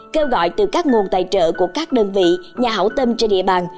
kêu gọi từ các nguồn tài trợ của các đơn vị nhà hảo tâm trên địa bàn